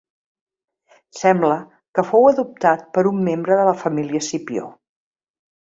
Sembla que fou adoptat per un membre de la família Escipió.